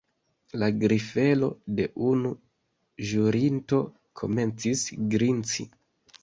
La grifelo de unu ĵurinto komencis grinci.